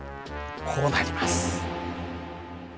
こうなります。